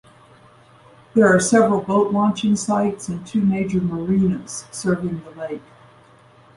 There are several boat launching sites and two major marinas serving the lake.